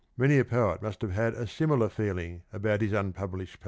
Many a poet must have had a similar feeling about his unpublished poems.